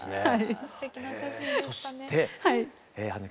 はい。